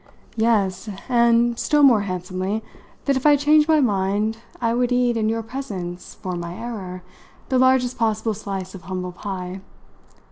"Yes, and, still more handsomely, that if I changed my mind, I would eat, in your presence, for my error, the largest possible slice of humble pie.